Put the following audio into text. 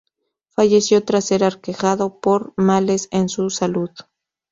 Falleció tras ser aquejado por males en su salud.